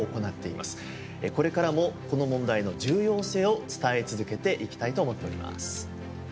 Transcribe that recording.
これからもこの問題の重要性を伝え続けていきたいと思っております。